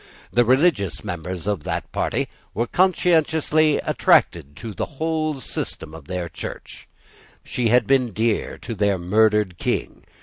The religious members of that party were conscientiously attached to the whole system of their Church. She had been dear to their murdered King.